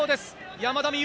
山田美諭。